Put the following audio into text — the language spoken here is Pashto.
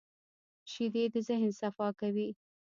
شیدې د ذهن صفا کوي